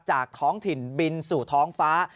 ท้องถิ่นบินสู่ท้องฟ้า